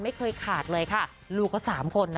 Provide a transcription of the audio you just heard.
ไม่เคยขาดเลยค่ะลูกเขาสามคนนะ